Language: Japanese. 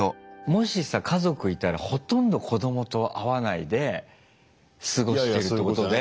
もしさ家族いたらほとんど子どもと会わないで過ごしてるってことで。